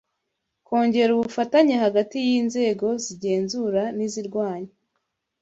kongera ubufatanye hagati y’inzego zigenzura n’izirwanya